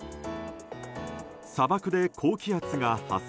砂漠で高気圧が発生。